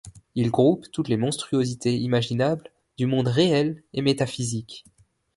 Il groupe toutes les monstruosités imaginables du monde réel et métaphysique.